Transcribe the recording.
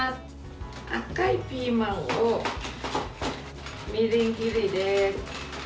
赤いピーマンをみじん切りです。